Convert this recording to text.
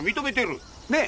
ねえ？